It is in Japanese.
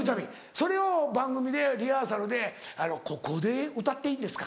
それを番組でリハーサルで「ここで歌っていいんですか？」